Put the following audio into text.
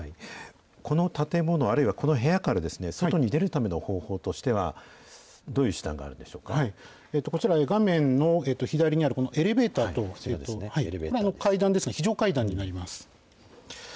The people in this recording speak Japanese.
この建物、あるいはこの部屋から外に出るための方法としては、こちら、画面の左にある、このエレベーターと階段ですね、非常階段になります。